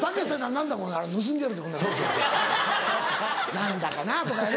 何だかな」とかね。